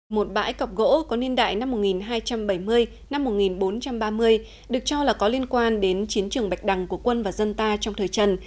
một bãi cọc gỗ có niên đại năm một nghìn hai trăm bảy mươi một nghìn bốn trăm ba mươi được cho là có liên quan đến chiến trường bạch đằng của quân và dân ta trong thời trần